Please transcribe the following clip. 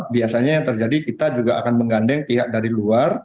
biasanya yang terjadi kita juga akan menggandeng pihak dari luar